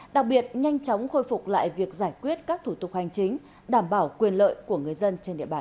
đặc biệt nhanh chóng khôi phục lại việc giải quyết các thủ tục hành chính đảm bảo quyền lợi của người dân trên địa bàn